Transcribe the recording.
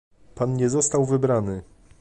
Pan nie został wybrany